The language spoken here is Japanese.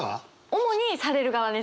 主にされる側です。